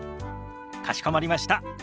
かしこまりました。